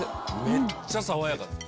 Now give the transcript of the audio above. めっちゃ爽やかです。